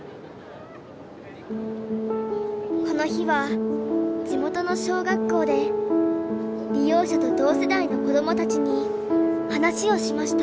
この日は地元の小学校で利用者と同世代の子どもたちに話をしました。